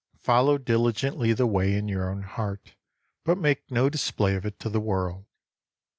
Follow diligently the Way in your own heart, but make no display of it to the world.